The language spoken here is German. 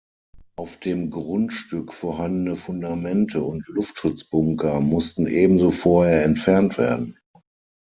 Auf dem Grundstück vorhandene Fundamente und Luftschutzbunker mussten ebenso vorher entfernt werden.